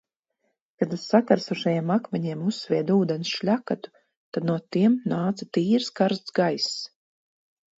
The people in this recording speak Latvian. Kad uz sakarsušajiem akmeņiem uzsvieda ūdens šļakatu, tad no tiem nāca tīrs karsts gaiss.